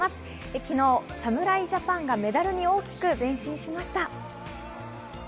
昨日、侍ジャパンがメダルに大きく前進しました。